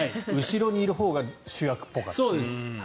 後ろにいるほうが主役っぽかった。